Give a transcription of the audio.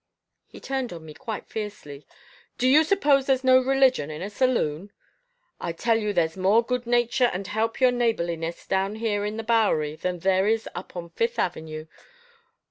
He turned on me quite fiercely. "Do you suppose there's no religion in a saloon? I tell you there's more good nature and help your neighbourliness down here in the Bowery than there is up on Fifth Avenue.